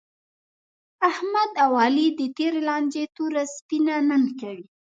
احمد او علي د تېرې لانجې توره سپینه نن کوي.